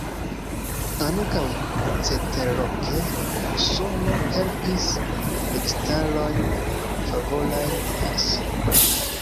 Ankaŭ ceterloke, Usono helpis registarojn favorajn al si.